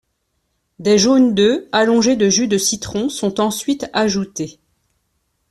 Des jaunes d’œuf allongés de jus de citron sont ensuite ajoutés.